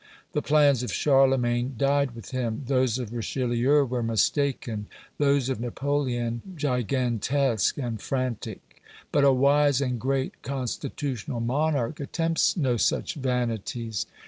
The plans of Charlemagne died with him; those of Richelieu were mistaken; those of Napoleon gigantesque and frantic. But a wise and great constitutional monarch attempts no such vanities.